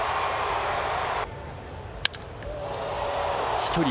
飛距離